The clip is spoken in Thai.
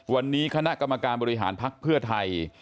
วันนี้คณะกรรมการบริหารภักดิ์เพื่อไทย